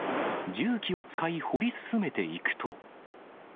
重機を使い、掘り進めていくと。